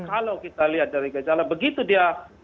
kalau kita lihat dari gejala begitu dia